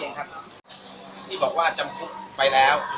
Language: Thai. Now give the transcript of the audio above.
ที่บอกว่าจำคุกไปแล้ว